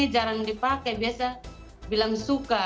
di sini jarang dipakai biasa bilang suka